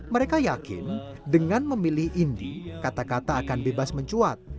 mereka yakin dengan memilih indi kata kata akan bebas mencuat